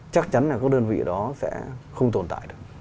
chắc chắn là các đơn vị đó sẽ không tồn tại được